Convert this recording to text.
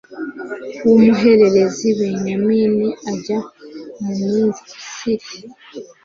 w umuhererezi benyamini ajya mu misiri